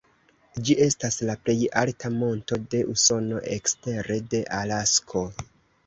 Ĝi estas la plej alta monto de Usono ekstere de Alasko.